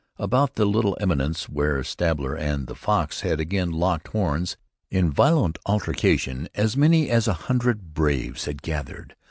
About the little eminence where Stabber and the Fox had again locked horns in violent altercation, as many as a hundred braves had gathered.